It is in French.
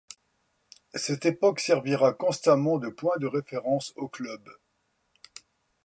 Cette époque servira constamment de point de référence au club.